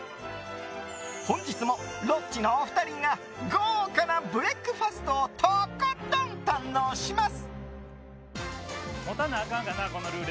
本日もロッチのお二人が豪華なブレックファストをとことん堪能します！